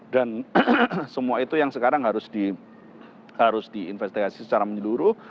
dan semua itu yang sekarang harus diinvestigasi secara menyeluruh